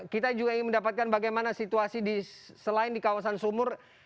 kita juga ingin mendapatkan bagaimana situasi di selain di kawasan sumur